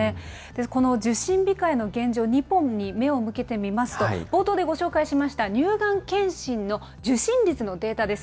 この受診控えの現状、日本に目を向けてみますと、冒頭でご紹介しました乳がん検診の受診率のデータです。